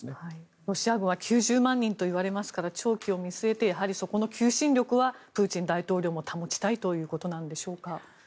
ロシア軍は９０万人といわれますから長期を見据えてそこの求心力はプーチン大統領も保ちたいということなんでしょうか。